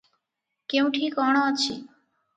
କେଉଁଠି କଣ ଅଛି?